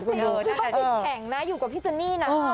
อือต้องจิดแข่งนะอยู่กับพี่ซันนี่นะ